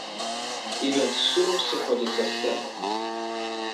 І ён з сумам сыходзіць са сцэны.